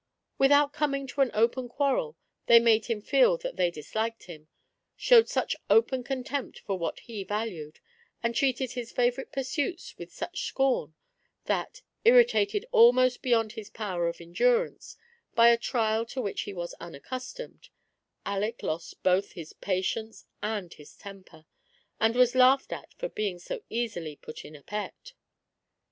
Without coming to an open quaiTel, they made him feel that they disliked him, showed such open contempt for what he valued, and treated his favourite pursuits with such scorn, that, initated almost beyond his power of endurance by a trial to which he was unaccustomed, Aleck lost both his patience and his temper, and was laughed at for being so easily "put in a pet."